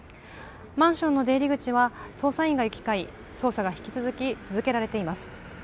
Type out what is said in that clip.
マンションの出入り口は捜査員が行き交い、捜査が引き続き行われています。